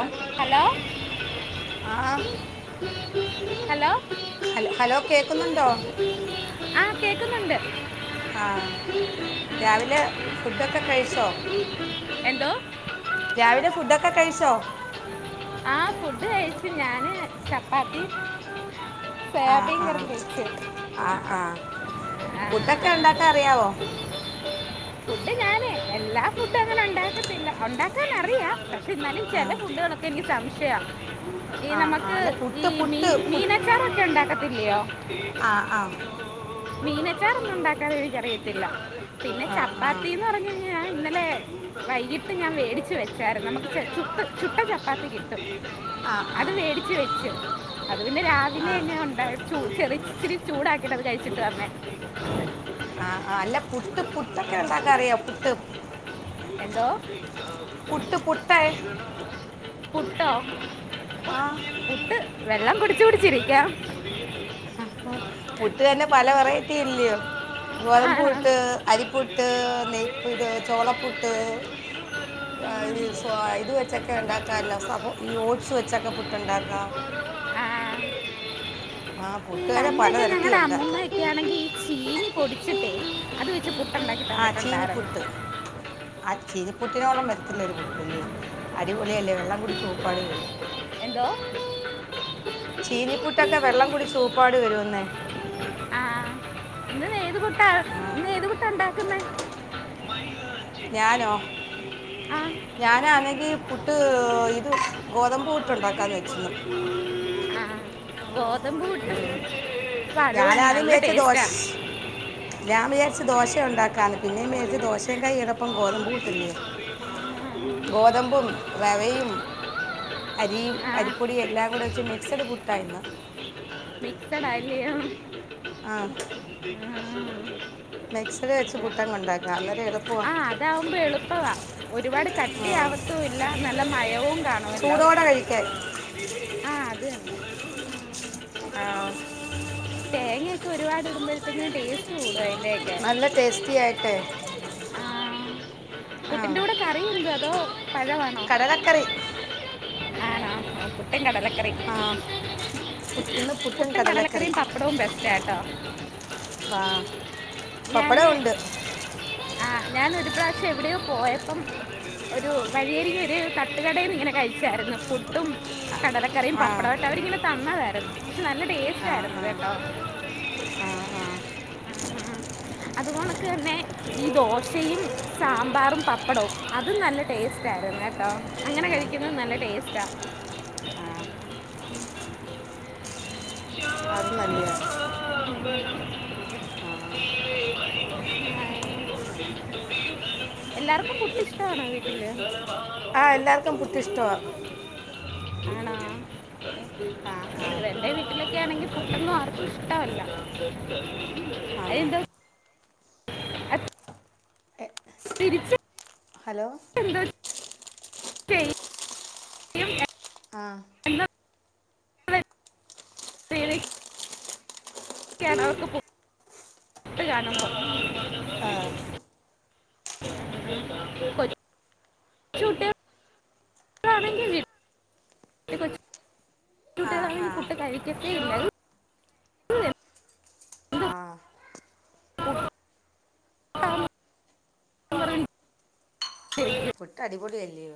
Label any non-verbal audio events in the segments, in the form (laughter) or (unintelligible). ഓഹ് hello ആഹ് hello ഹല hello കേക്കുന്നുണ്ടോ ആഹ് കേക്കുന്നുണ്ട് ആ രാവിലെ ഫുഡൊക്കെ കഴിച്ചോ എന്തോ രാവിലെ ഫുഡൊക്കെ കഴിച്ചോ ആഹ് ഫുഡ് കഴിച്ചു ഞാന് ചപ്പാത്തി ആ സോയാബീൻ ആ കറി കഴിച്ചു ആ ആഹ് പുട്ടൊക്കെ ഉണ്ടാക്കാൻ അറിയാവോ ഫുഡ് ഞാന് എല്ലാ ഫുഡും അങ്ങനെ ഉണ്ടാക്കത്തില്ല ഉണ്ടാക്കാൻ അറിയാം പക്ഷെ എന്നാലും ആ ചെല ഫുഡുകളൊക്കെ എനിക്ക് സംശയമാണ് ഈ ആ ആ നമുക്ക് അല്ല പുട്ട് ഈ മീ പുട്ട് പുട്ട് മീനച്ചാറൊക്കെ ഉണ്ടാക്ക ത്തില്ലോ ആ ആ മീനച്ചാറൊന്നും ഉണ്ടാക്കാനെ എനിക്കറിയത്തില്ല പിന്നെ ആ ആ ചപ്പാത്തിന്ന് പറഞ്ഞ് കഴി ഞൻ ഇന്നലെ വൈകിട്ട് ഞാൻ മേടിച്ച് വെച്ചായിരുന്നു നമുക്ക് ച ചുട്ട ചുട്ട ചപ്പാത്തി കിട്ടും ആ അത് ആ മേടിച്ച് വെച്ച് അത് പിന്റെ ആ രാവിലെ തന്നെ ഉണ്ടായി ചെറി ഇച്ചിരി ചൂടാക്കിട്ടത് കഴിച്ചിട്ട് വര്നേ ആ അല്ല പുട്ട് പുട്ടൊക്കെ ആ, ഉണ്ടാക്കാൻ അറിയോ പുട്ട് എന്തോ പുട്ട് പുട്ടേയ് പുട്ടോ ആഹ് പുട്ട് വെള്ളം കുടിച്ച് കുടിച്ചിരിക്കാ പുട്ട് തന്നെ പല വെറൈറ്റി ഇല്ലയോ ഗോതമ്പ് ആണോ പുട്ട് അരിപ്പുട്ട് ഇട്ട് നെയപ്പ് ഇത് ചോളപ്പുട്ട് സ ഇത് വെച്ചൊക്കെ ഉണ്ടാക്കാല്ലോ സ ഈ ഓട്സ് വെച്ചൊക്കെ പുട്ടുണ്ടാക്കാ ആ ആ പുട്ട് തന്നെ പണ്ടൊക്കെ പലതരത്തിൽ ഞങ്ങളടെ അമ്മുമ്മ ഉണ്ടാക്കാം ഒക്കെ ആണെങ്കി ഈ ചീനി പൊടിച്ചിട്ടെ അത് ന്കി പുട്ടണ്ടാക്കി ആ തന്നിട്ടുണ്ടായിരുന്നു ചീനിപ്പുട്ട് ആ ചീരിപ്പുട്ടിനോളം വരത്തില്ല ഒരു പുട്ടുല്ലേ അടിപൊളിയ അല്ലേ വെള്ള കൂ ചൂപ്പാട് വരും എന്തോ ചീനിപ്പുട്ടൊക്കെ വെള്ളം കൂടി ചൂപ്പാട് വരുവന്നേ ഇന്ന് ഏത് കുട്ട ആ ഇ ഏത് കുട്ട ഉണ്ടാക്ന്ന ഞാനോ ആ ഞാനാണെങ്കി പു ട്ട് ഇത് ഗോതമ്പ് വട്ട്ണ്ടാക്കാന്ന് വെച്ചിന്ന്. ആ ഗോതമ്പ്. പുട്ടും ഉം ഞാന പഴവും ആദ്യം നല്ല മേച്ച ദോശ് ടേസ്റ്റാണ് ഞാൻ മോരിച്ചു ദോശയ ഉണ്ടാക്കന്ന് പിന്നേും മേരിച്ച് ദോശയും കൈയിടൊപ്പം ഗോതമ്പ പൂട്ടില്ലന്ന് ഗോതമ്പും റെവയും അരിയും ആ അരിപ്പൊടിയും എല്ലാം കൂടെ വെച്ച് മിക്സഡ് പുട്ടായിന്ന് മിക്സഡയിലിയോ ആഹ്‌. ആ (unintelligible) മിക്സർ വെച്ച് പുട്ടാങ് കൊണ്ടാക്കാ അന്നേര എളുപ്പവാ ആ അതാവുമ്പോ എളുപ്പവാ ഒരുപാട് കട്ടിയ ആവത്തും ഇല്ല നല്ല മയവും കാണുമല്ലോ ചൂടോടെ കഴിക്കാൻ ആ അത് എന്നെ ആഹ്‌. തേങ്ങൊക്കെപാട് ഉടുമ്പത്തിന്നെ ടേസ്റ്റ് കൂടും അതിൻ്റെയൊക്കെ നല്ല ടേസ്റ്റി ആയിട്ടെ കുട്ടിന്റെ കൂടെ കറിയല്ലോ അതോ പഴവാണോ കടലക്കറി ആണ കുട്ടി കടല്ലെ ആ പുട്ട് ഇന്ന് പുട്ടും കടലക്കറി പപ്പടോ ബസ്റ്റാട്ടൊ വാ ഞാന് (inaudible) ആ ഞാന് ഒരു പ്രാവശ്യം എവിടെയോ പോയപ്പം ഒരു വഴിയരി ഒരു തട്ടുകടയിൽ നിന്ന് ഇങ്ങനെ കഴിച്ചായിരുന്നു പുട്ടും കടല കറിയും ആ പപ്പടവെട്ട അവരിങ്ങനെ തന്നതായിരുന്നു പക്ഷെ നല്ല ടേസ്റ്റ് ആയിരുന്നു കേട്ടോ ആഹ്‌ ആഹ്‌. അത് പോണൊക്കെ തന്നെ ഈ ദോശയും സാമ്പാറും പപ്പടവും അതും നല്ല ടേസ്റ്റ ആയിരുന്നു കേട്ടോ അങ്ങനെ കഴിക്കുന്നത് നല്ല ടേസ്റ്റാ ആഹ്‌. അത് നല്ലിയാ (inaudible) ആഹ്‌. എല്ലാർക്കും പുട്ട് ഇഷ്ടണോ വീട്ടില് ആ എല്ലാർക്കും പുട്ട് ഇഷ്ടവാ ആണോ ആ ആ രണ്ട ണെങ്കിൽ പുട്ടന്നും ആർക്കും ഇഷ്ടമല്ല ആന്നോ അതെന്തോ അത് എ, തിരിച്ച് ഹലോ എന്തോ ചെയ്യും ആഹ്‌. എന്ത (inaudible) (unintelligible) (unintelligible) ആഹ് (unintelligible) (inaudible) (inaudible) ന്റെ ആ ആ കുട്ട്യാളാണെങ്കി പുട്ട് കഴിക്കത്തേ ഇല്ല. ഇത് ആഹ് എന്താ? പുട്ട് അടിപൊളി അല്ല്യോ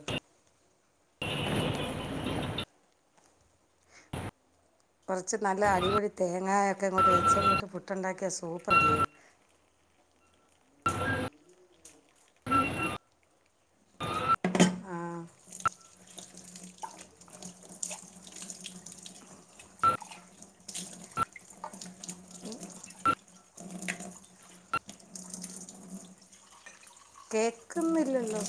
കൊർച്ച് നല്ല അടിപൊടി തേങ്ങയൊക്കെങ്ങോട്ട് വെച്ചങ്ങോട്ട് പുട്ട്ണ്ടാക്കിയ സൂപ്പറ്ല്ലയോ ആ കേക്ക്ന്നില്ലല്ലോ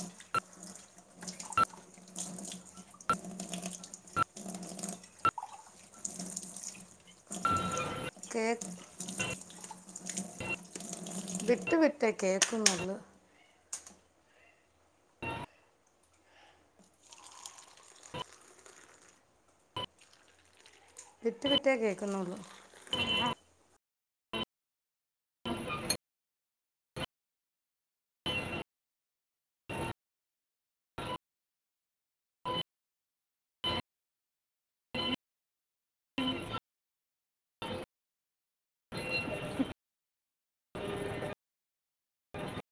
കേ വിട്ട് വിട്ടേ കേക്ക്ന്നുള്ളു. വിട്ട് പിട്ടേ കേക്കുന്നുള്ളു അ (inaudible) (inaudible)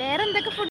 വേറെന്തൊക്കെ ഫു